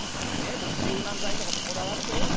僕柔軟剤とかもこだわるで。